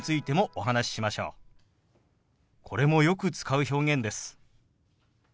これもよく使う表現です。